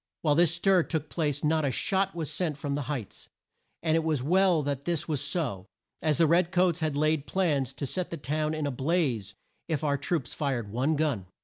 While this stir took place not a shot was sent from the Heights, and it was well that this was so, as the red coats had laid plans to set the town in a blaze if our troops fired one gun.